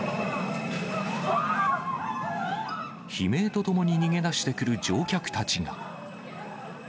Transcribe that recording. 悲鳴とともに逃げ出してくる乗客たちが。